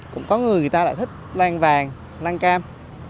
cũng có người người ta lại thích lan vàng lăng cam